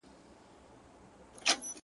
که ژوند راکوې ـ